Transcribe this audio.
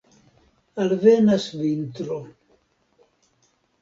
Alvenas vintro.